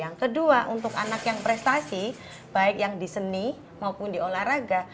yang kedua untuk anak yang prestasi baik yang di seni maupun di olahraga